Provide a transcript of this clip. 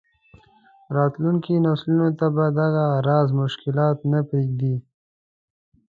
راتلونکو نسلونو ته به دغه راز مشکلات نه پرېږدي.